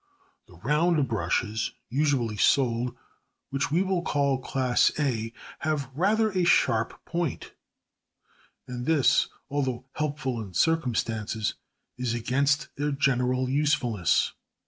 The round brushes usually sold, which we will call Class A, have rather a sharp point, and this, although helpful in certain circumstances, is against their general usefulness.